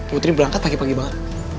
putri berangkat pagi pagi banget